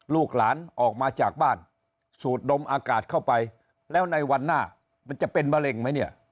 ลูกหลานออกมาจากบ้านสูดดมอากาศเข้าไปแล้วในวันหน้ามันจะเป็นมะเร็งไหมเนี่ย